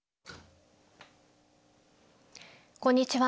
こんにちは。